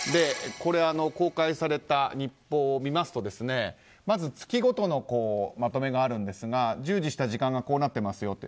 公開された日報を見ますとまず月ごとのまとめがありますが従事した時間がこうなっていますよと。